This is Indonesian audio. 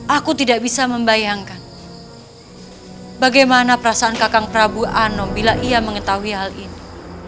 aku tidak bisa membayangkan bagaimana perasaan kakang prabu anom bila ia mengetahui hal ini